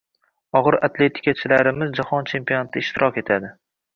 Og‘ir atletikachilarimiz jahon chempionatida ishtirok etadi